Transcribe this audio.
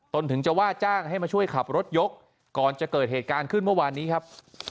ถึงจะว่าจ้างให้มาช่วยขับรถยกก่อนจะเกิดเหตุการณ์ขึ้นเมื่อวานนี้ครับ